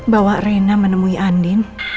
bawa rena menemui andi